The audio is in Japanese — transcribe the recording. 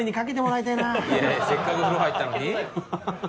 せっかく風呂入ったのに？